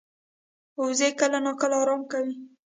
وزې کله ناکله آرام کوي